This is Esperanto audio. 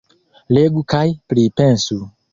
Legu kaj pripensu!